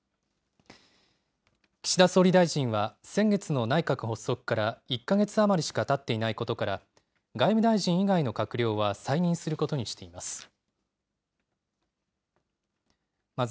岸田総理大臣は先月の内閣発足から１か月余りしかたっていないことから、外務大臣以外の閣僚は再任することにしています。